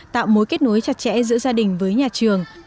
tạo mối kết nối chặt chẽ giữa gia đình với nhà trường